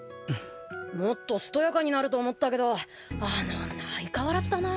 もっとしとやかになると思ったけどあの女相変わらずだな。